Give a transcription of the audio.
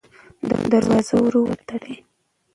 دروازه ورو وتړئ.